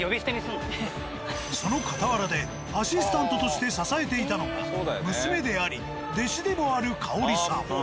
その傍らでアシスタントとして支えていたのが娘であり弟子でもあるかおりさん。